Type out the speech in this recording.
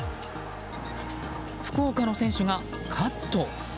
福岡の選手がカット。